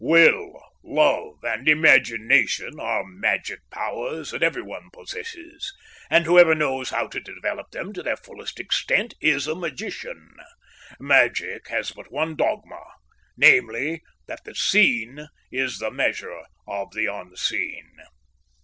Will, love, and imagination are magic powers that everyone possesses; and whoever knows how to develop them to their fullest extent is a magician. Magic has but one dogma, namely, that the seen is the measure of the unseen."